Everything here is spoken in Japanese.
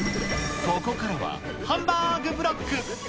ここからはハンバーグブロック。